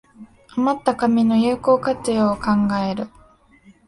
あまった紙の有効活用を考える